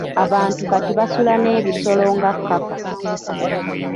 Abantu kati basula n'ebisolo nga kkapa.